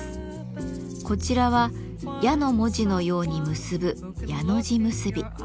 こちらは「矢」の文字のように結ぶ「やの字結び」。